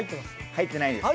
入ってないです。